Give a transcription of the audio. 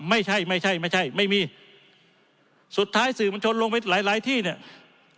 ไม่ใช่ไม่ใช่ไม่ใช่ไม่มีสุดท้ายสื่อมันชนลงไว้หลายที่เนี่ย